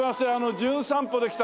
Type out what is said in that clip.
『じゅん散歩』で来た。